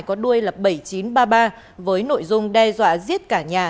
có đuôi là bảy nghìn chín trăm ba mươi ba với nội dung đe dọa giết cả nhà